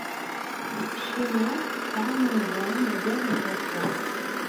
Ccinwa tesɛa imezdaɣen ugar n Japun.